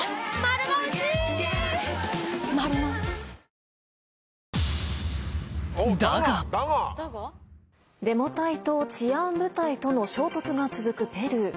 三井不動産デモ隊と治安部隊との衝突が続くペルー。